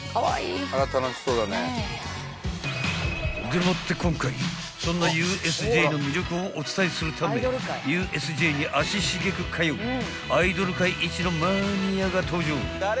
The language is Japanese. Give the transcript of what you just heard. ［でもって今回そんなＵＳＪの魅力をお伝えするためＵＳＪに足しげく通うアイドル界一のマニアが登場］